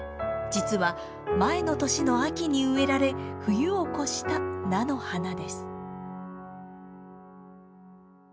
実は前の年の秋に植えられ冬を越した菜の花です。